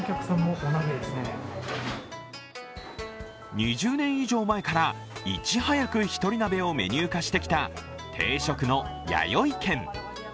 ２０年以上前からいち早く一人鍋をメニュー化してきた定食のやよい軒。